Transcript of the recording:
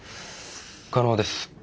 可能です。